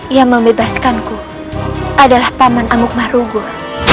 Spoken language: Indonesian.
yang membebaskanku adalah paman amuk marugul